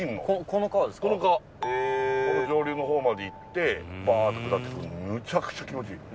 この上流の方まで行ってバーッて下っていくのむちゃくちゃ気持ちいい。